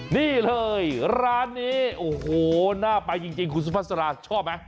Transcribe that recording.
นี่เลยร้านนี้โอ้โหน่าไปจริงคุณสุภาษาชอบไหม